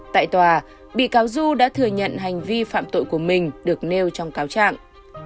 tại tòa bị cáo du đã thừa nhận hành vi phạm tội của mình được nêu trong cáo trạng